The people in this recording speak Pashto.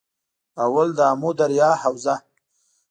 اول- دآمو دریا حوزه